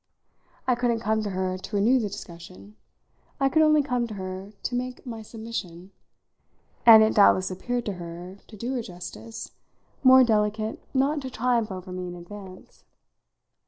I couldn't come to her to renew the discussion; I could only come to her to make my submission; and it doubtless appeared to her to do her justice more delicate not to triumph over me in advance.